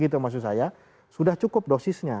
itu maksud saya sudah cukup dosisnya